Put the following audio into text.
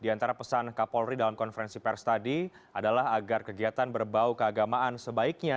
di antara pesan kapolri dalam konferensi pers tadi adalah agar kegiatan berbau keagamaan sebaiknya